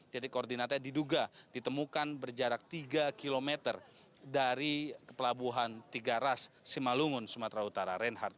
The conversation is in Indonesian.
titik koordinatnya diduga ditemukan berjarak tiga km dari pelabuhan tiga ras simalungun sumatera utara reinhardt